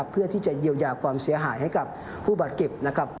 เพื่อที่จะเยียวยากว่าความเสียหายให้กับผู้บัตรเก็บ